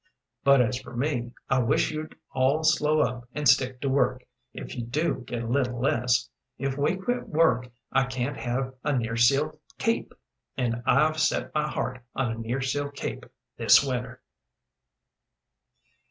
But as for me, I wish you'd all slow up an' stick to work, if you do get a little less. If we quit work I can't have a nearseal cape, and I've set my heart on a nearseal cape this winter."